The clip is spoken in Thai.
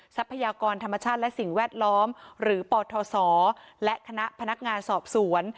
ทรัพยากรธรรมชาติและสิ่งแวดล้อมหรือปทศและคณะพนักงานสอบสวน